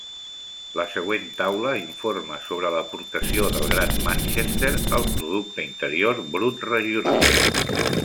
La següent taula informa sobre l'aportació del Gran Manchester al producte interior brut regional.